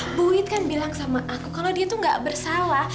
ibu wit kan bilang sama aku kalau dia tuh gak bersalah